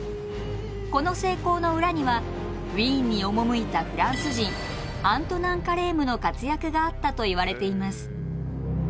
この成功の裏にはウィーンに赴いたフランス人アントナン・カレームの活躍があったといわれています。